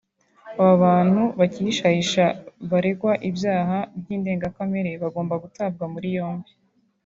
aba bantu bakihishahisha baregwa ibyaha by’indengakamere bagomba gutabwa muri yombi